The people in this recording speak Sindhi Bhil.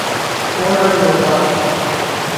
پوڙآ ريٚ اوتآڪ۔